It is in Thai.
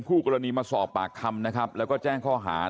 คู่กรณีมาสอบปากคำนะครับแล้วก็แจ้งข้อหา